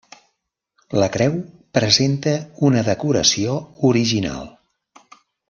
La creu presenta una decoració original.